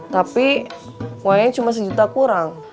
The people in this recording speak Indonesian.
tapi uangnya cuma sejuta kurang